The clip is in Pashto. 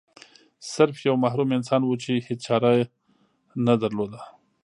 سرف یو محروم انسان و چې هیڅ چاره نه درلوده.